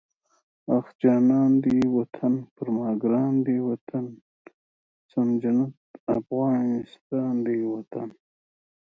اخ جانان دی وطن، پر ما ګران دی وطن، سم جنت افغانستان دی وطن